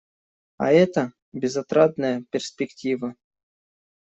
А это − безотрадная перспектива.